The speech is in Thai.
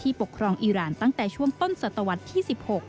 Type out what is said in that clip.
ปกครองอีรานตั้งแต่ช่วงต้นศตวรรษที่๑๖